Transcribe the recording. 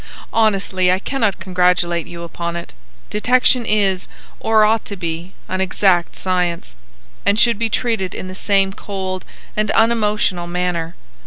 "Honestly, I cannot congratulate you upon it. Detection is, or ought to be, an exact science, and should be treated in the same cold and unemotional manner.